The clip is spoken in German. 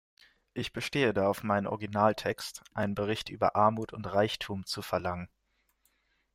Ich bestehe da auf meinem Originaltext, einen Bericht über Armut und Reichtum zu verlangen.